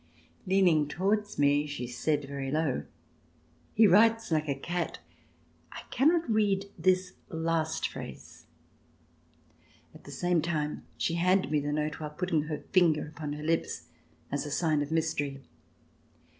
Leaning towards me she said very low: "He writes like a cat. I cannot read this last phrase." At the same time she handed me the note, while putting her finger upon her lips as a sign of mystery.